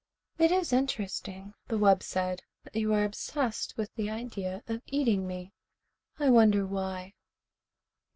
"It is interesting," the wub said, "that you are obsessed with the idea of eating me. I wonder why."